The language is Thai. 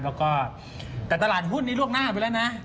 แล้วก็แต่ตลาดหุ้นนี้ล่วงหน้าไปแล้วนะ